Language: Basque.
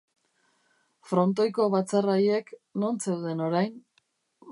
Frontoiko batzar haiek, non zeuden orain?